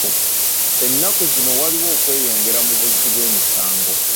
Ennaku zino waliwo okweyongera mu buzzi bw'emisango.